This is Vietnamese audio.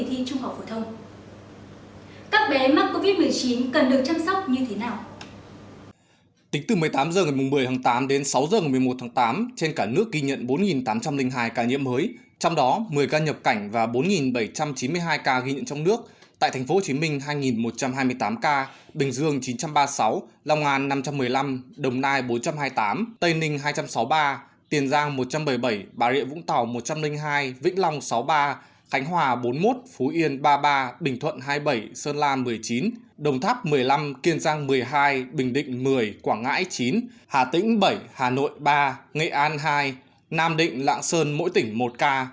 trong đó một mươi ca nhập cảnh và bốn bảy trăm chín mươi hai ca ghi nhận trong nước tại tp hcm hai một trăm hai mươi tám ca bình dương chín trăm ba mươi sáu long an năm trăm một mươi năm đồng nai bốn trăm hai mươi tám tây ninh hai trăm sáu mươi ba tiền giang một trăm bảy mươi bảy bà rịa vũng tàu một trăm linh hai vĩnh long sáu mươi ba khánh hòa bốn mươi một phú yên ba mươi ba bình thuận hai mươi bảy sơn lan một mươi chín đồng tháp một mươi năm kiên giang một mươi hai bình định một mươi quảng ngãi chín hà tĩnh bảy hà nội ba nghệ an hai nam định lạng sơn mỗi tỉnh một ca